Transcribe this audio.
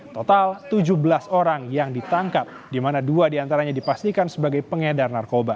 total tujuh belas orang yang ditangkap di mana dua diantaranya dipastikan sebagai pengedar narkoba